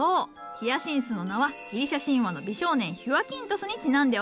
ヒアシンスの名はギリシャ神話の美少年ヒュアキントスにちなんでおる。